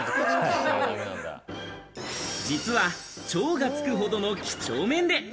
実は超がつくほどの几帳面で。